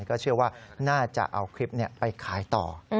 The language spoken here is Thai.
ก็เชื่อว่าน่าจะเอาคลิปไปขายต่อ